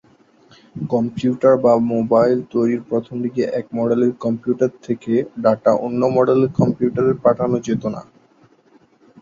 Computer বা mobile তৈরির প্রথম দিকে এক মডেলের কম্পিউটার থেকে ডাটা অন্য মডেলের কম্পিউটারে পাঠানো যেত না।